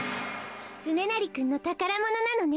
つねなりくんのたからものなのね。